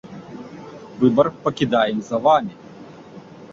Выбар пакідаем за вамі!